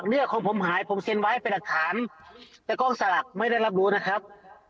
เลือกของผมหายผมเซ็นไว้เป็นหลักฐานแต่กล้องสลักไม่ได้รับรู้นะครับ